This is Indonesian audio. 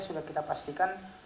sudah kita pastikan